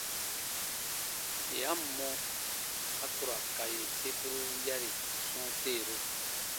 Yè a ǹ mɔ, a ku ra ka yè sekuru yari sɔ̃ɔ teeru.